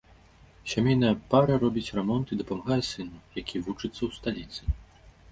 Сямейная пара робіць рамонт і дапамагае сыну, які вучыцца ў сталіцы.